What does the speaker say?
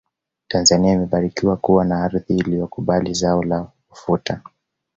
tanzania imebarikiwa kuwa na ardhi inayokubali zao la ufuta